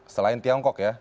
selain tiongkok ya